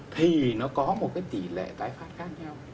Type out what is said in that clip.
thì nó có một tỷ lệ tái phát khác nhau